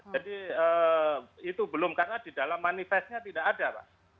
jadi itu belum karena di dalam manifestnya tidak ada pak